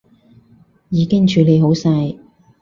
已經處理好晒